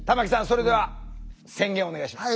それでは宣言お願いします。